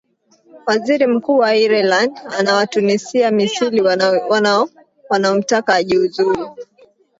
waziri mkuu wa ireland anawatunisia misili wanaomtaka ajiuzulu